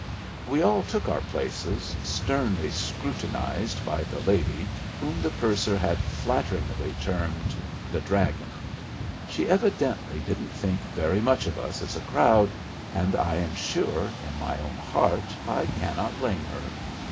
We all took our places, sternly scrutinised by the lady, whom the purser had flatteringly termed the "dragon." She evidently didn't think very much of us as a crowd, and I am sure in my own heart I cannot blame her.